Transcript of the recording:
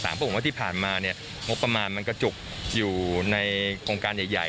เพราะผมว่าที่ผ่านมางบประมาณมันกระจุกอยู่ในโครงการใหญ่